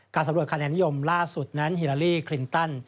สำรวจคะแนนนิยมล่าสุดนั้นฮิลาลีคลินตัน